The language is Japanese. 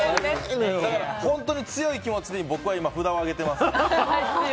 本当に強い気持ちで今僕は札を上げてます。